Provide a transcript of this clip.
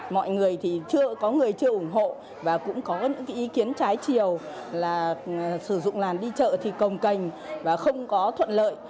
mọi người thì chưa có người chưa ủng hộ và cũng có những ý kiến trái chiều là sử dụng làn đi chợ thì cồng cành và không có thuận lợi